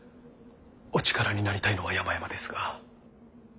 お力になりたいのはやまやまですが。